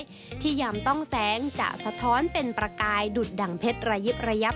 แล้วค่ะไม่เคยค่ะครั้งแรกค่ะมาเที่ยวแล้วรู้สึกยังไงครับ